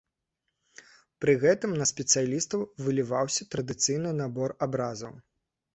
Пры гэтым на спецыялістаў выліваўся традыцыйны набор абразаў.